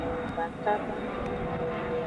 Va kaba.